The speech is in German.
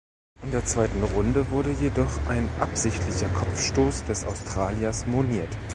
In der zweiten Runde wurde jedoch ein absichtlicher Kopfstoß des Australiers moniert.